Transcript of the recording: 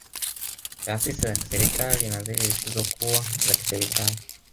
Taasisi za kiserikali na zile zisizo kuwa za kiserikali